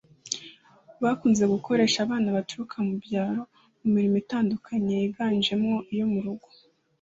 bakunze gukoresha abana baturuka mu byaro mu mirimo itandukanye yihanjemo iyo mu rugo